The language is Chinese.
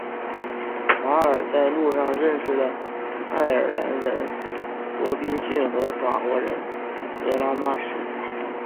卡尔在路上认识了爱尔兰人罗宾逊和法国人德拉马什。